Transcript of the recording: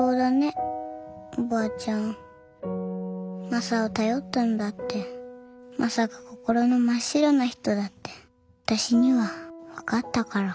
マサを頼ったのだってマサが心の真っ白な人だって私には分かったから。